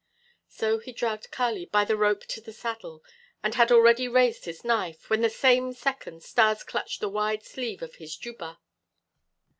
So he dragged Kali by the rope to the saddle and had already raised his knife, when in the same second Stas clutched the wide sleeve of his jubha.